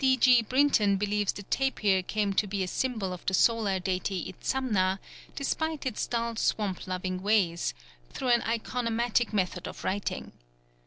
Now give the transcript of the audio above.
D. G. Brinton believes the tapir came to be a symbol of the Solar deity Itzamna, despite its dull swamp loving ways, through an ikonomatic method of writing.